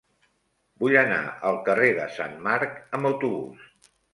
Vull anar al carrer de Sant Marc amb autobús.